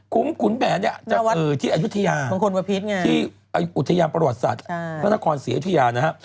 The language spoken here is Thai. คุ้มขุนแผนเนี่ยจะเกิดที่อายุทิยาที่อายุทิยาประวัติศาสตร์นครศรีอาทิยานะฮะ